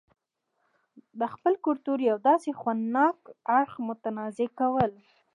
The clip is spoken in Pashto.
دخپل کلتور يو داسې خوند ناک اړخ متنازعه کول